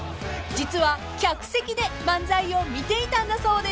［実は客席で漫才を見ていたんだそうです］